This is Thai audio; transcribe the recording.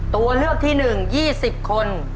ตัวเลือกที่๑ยี่สิบคน